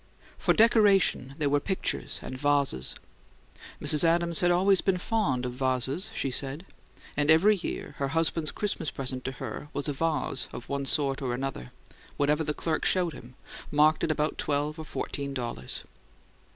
For decoration there were pictures and vases. Mrs. Adams had always been fond of vases, she said, and every year her husband's Christmas present to her was a vase of one sort or another whatever the clerk showed him, marked at about twelve or fourteen dollars.